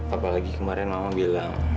apalagi kemarin mama bilang